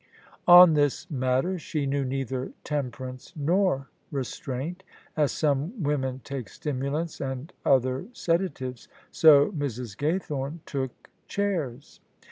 On this matter she knew neither temperance nor restraint. As some women take stimulants and other sedatives, so Mrs. Gaythome took chairs.